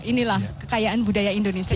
inilah kekayaan budaya indonesia